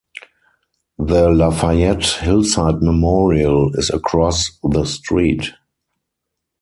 The Lafayette Hillside Memorial is across the street.